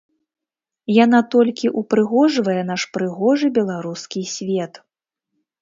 Яна толькі ўпрыгожвае наш прыгожы беларускі свет.